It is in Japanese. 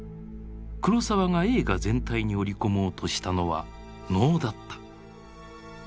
黒澤が映画全体に織り込もうとしたのは「能」だった。